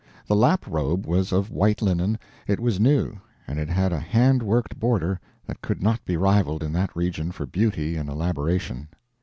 The lap robe was of white linen, it was new, and it had a hand worked border that could not be rivaled in that region for beauty and elaboration.